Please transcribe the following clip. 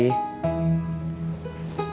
tidak ada yang bisa dikira